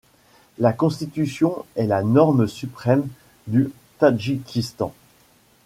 La Constitution est la norme suprême du Tadjikistan.